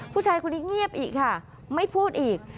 ผู้ชายคนนี้เงียบอีกค่ะไม่พูดอีก